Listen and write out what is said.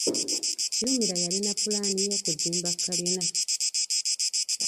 Kirumira yalina ppulaani ey’okuzimba kalina.